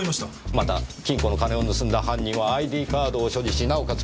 また金庫の金を盗んだ犯人はＩＤカードを所持しなおかつ